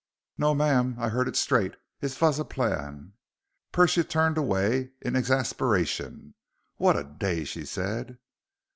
"No, ma'am, I heard it straight. It vas a plan." Persia turned away in exasperation. "What a day!" she said.